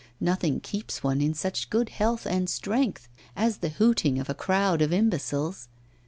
Nothing keeps one in such good health and strength as the hooting of a crowd of imbeciles.